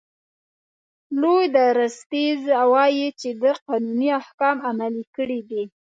لوی درستیز وایي چې ده قانوني احکام عملي کړي دي.